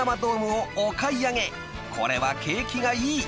［これは景気がいい］